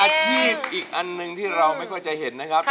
เป็นอาชีพอีกอันนึงที่เราไม่ค่อยจะเห็นนะครับ